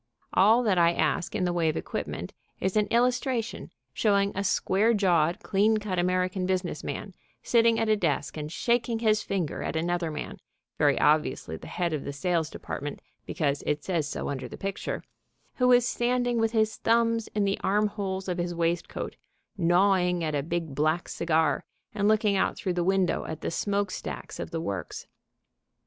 All that I ask in the way of equipment is an illustration showing a square jawed, clean cut American business man sitting at a desk and shaking his finger at another man, very obviously the head of the sales department because it says so under the picture, who is standing with his thumbs in the arm holes of his waistcoat, gnawing at a big, black cigar, and looking out through the window at the smoke stacks of the works.